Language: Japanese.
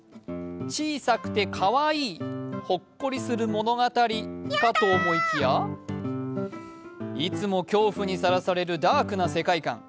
ちいさくてかわいい、ほっこりする物語かと思いきやいつも恐怖にさらされるダークな世界観。